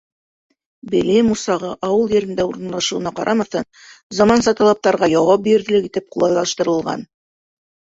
Белем усағы, ауыл ерендә урынлашыуына ҡарамаҫтан, заманса талаптарға яуап бирерлек итеп ҡулайлаштырылған.